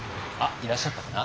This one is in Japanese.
いらっしゃったかな？